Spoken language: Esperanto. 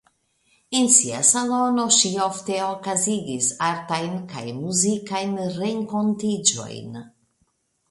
En sia salono ŝi ofte okazigis artajn kaj muzikajn renkontiĝojn.